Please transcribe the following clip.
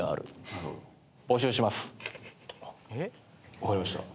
分かりました。